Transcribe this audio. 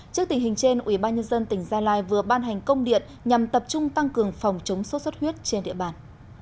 trước tình hình trên ubnd tỉnh gia lai vừa ban hành công điện nhằm tập trung tăng cường phòng chống sốt xuất huyết trên địa bàn